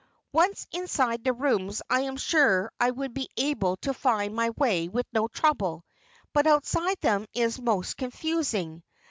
Once inside the rooms I am sure I would be able to find my way with no trouble. But outside them it is most confusing.